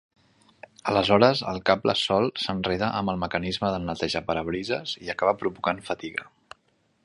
Aleshores el cable solt s'enreda amb el mecanisme del neteja-parabrises i acaba provocant fatiga.